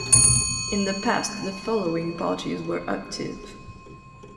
In the past the following parties were active.